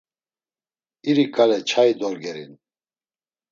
İri ǩale çayi dorgeri’n.